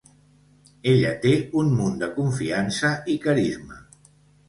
Ella té un munt de confiança i carisma.